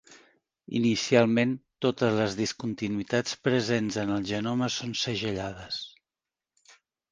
Inicialment, totes les discontinuïtats presents en el genoma són segellades.